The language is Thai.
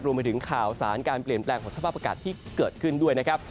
รวมไปถึงข่าวสารการเปลี่ยนแปลงของสภาพอากาศที่เกิดขึ้นด้วยนะครับ